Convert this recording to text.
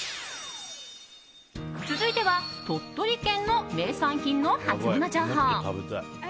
続いては鳥取県の名産品のハツモノ情報。